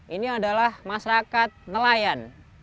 ini adalah masyarakat nelayan